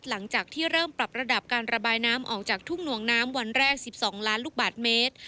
หลังจากที่เริ่มปรับระดับการระบายน้ำออกจากทุ่งหน่วงน้ำวันแรก๑๒ล้านลูกบาทเมตร